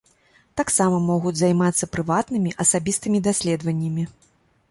Таксама могуць займацца прыватнымі, асабістымі даследаваннямі.